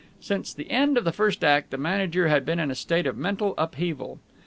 Since the end of the first act, the manager had been in a state of mental upheaval.